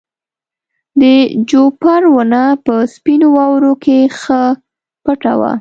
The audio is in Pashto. د جوپر ونه په سپینو واورو کې ښه پټه وه.